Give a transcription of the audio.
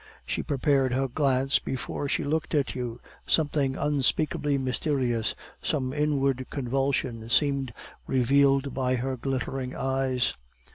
She prepared her glance before she looked at you, something unspeakably mysterious, some inward convulsion seemed revealed by her glittering eyes.